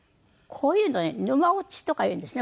こういうのね沼落ちとか言うんですね